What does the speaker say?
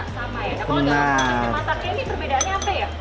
kalau dalam masak masak ini perbedaannya apa ya